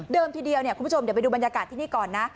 เดิมทีเดียวเนี่ยผมจะไปดูบรรยากาศที่นี่ก่อนนะ